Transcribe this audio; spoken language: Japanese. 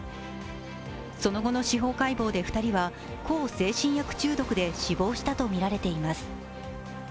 その後の司法解剖で、２人は向精神薬中毒で死亡したとみられています。